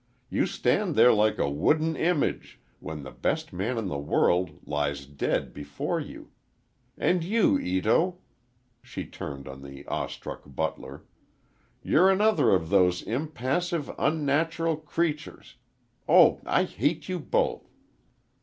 You stand there like a wooden image, when the best man in the world lies dead before you! And you, Ito!" She turned on the awe struck butler. "You're another of those impassive, unnatural creatures! Oh, I hate you both!"